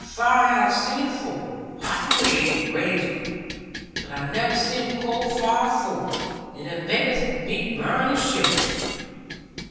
Fire I have seen afore, hot and red, and raging; but I never seen cold fire afore, and it maketh me burn and shiver.'